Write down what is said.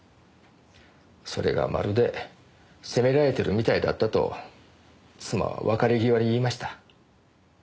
それがまるで責められてるみたいだったと妻は別れ際言いました。